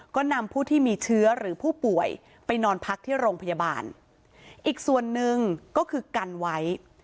ก็นำผู้ที่มีเชื้อหรือผู้ป่วยไปนอนพักที่โรงพยาบาลอีกส่วนหนึ่งก็คือกันไว้